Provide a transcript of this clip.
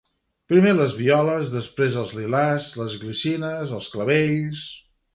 Primer les violes, després els lilàs, les glicines, els clavells.